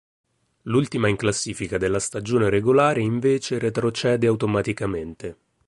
L'ultima in classifica della stagione regolare invece retrocede automaticamente.